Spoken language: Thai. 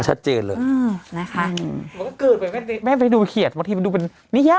ก็ชัดเจนเลยมันก็เกิดไปแม่ไปดูเขียนบางทีมันดูเป็นนิยาย